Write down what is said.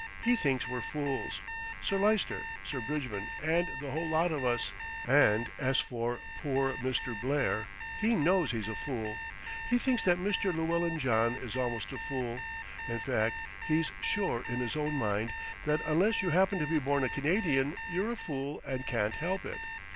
He thinks we're fools, Sir Lyster, Sir Bridgman and the whole lot of us, and as for poor Mr. Blair, he knows he's a fool. He thinks that Mr. Llewellyn John is almost a fool, in fact he's sure in his own mind that unless you happen to be born a Canadian you're a fool and can't help it.